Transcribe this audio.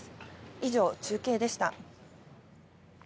以上、中継でした。